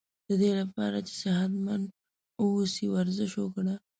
ددی لپاره چی صحت مند و اوسی ورزش وکړه